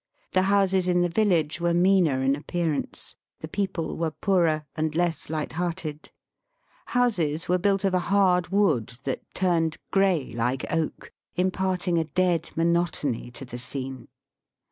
The houses in the village were meaner in appearance ; the people were poorer and less light hearted. Houses were built of a hard wood that turned grey like oak, impart ing a dead monotony to the scene.